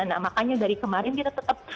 nah makanya dari kemarin kita tetap